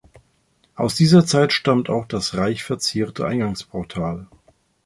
Aus dieser Zeit stammt auch das reich verzierte Eingangsportal.